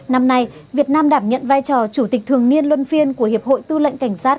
năm nay việt nam đảm nhận vai trò chủ tịch thường niên luân phiên của hiệp hội tư lệnh cảnh sát